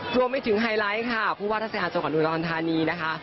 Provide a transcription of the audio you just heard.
รวมไม่ถึงไฮไลท์ค่ะผู้วัฒนาศาสตร์จงหวันอุณหวันธานีนะคะ